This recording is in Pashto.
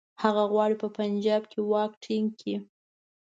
هغه غواړي په پنجاب کې واک ټینګ کړي.